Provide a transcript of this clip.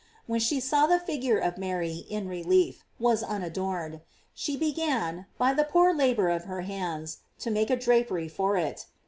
When she saw that the figure of Mary, in relief, was unadorned, she began, by the poor labor of her hands, to make a drapery for it.